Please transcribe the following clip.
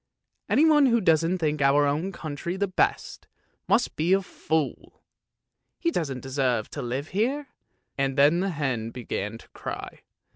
Anyone who doesn't think our own country the best, must be a fool! He doesn't deserve to live here." And the hen began to cry.